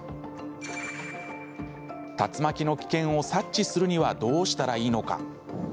竜巻の危険を察知するにはどうしたらいいのか？